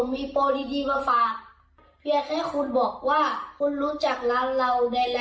มีแค่วันเดียวนะคะมาอุดหนุนกันเยอะนะคะ